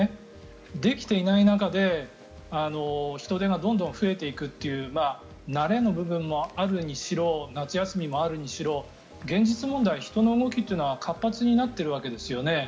できていない中で人出がどんどん増えていくという慣れの部分もあるにしろ夏休みもあるにしろ現実問題、人の動きというのは活発になっているわけですよね。